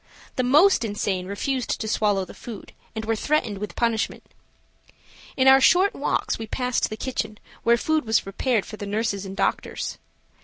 The most insane refused to swallow the food and were threatened with punishment. In our short walks we passed the kitchen were food was prepared for the nurses and doctors.